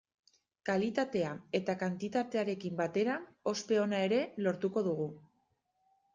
Kalitatea eta kantitatearekin batera ospe ona ere lortuko dugu.